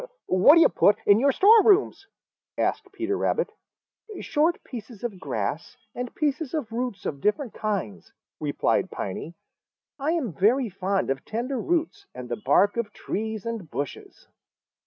"What do you put in your storerooms?" asked Peter Rabbit. "Short pieces of grass and pieces of roots of different kinds," replied Piney. "I am very fond of tender roots and the bark of trees and bushes.